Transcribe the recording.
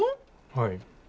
はい。